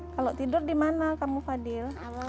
kalau tidur di mana kamu fadil